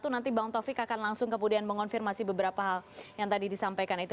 nanti bang taufik akan langsung kemudian mengonfirmasi beberapa hal yang tadi disampaikan itu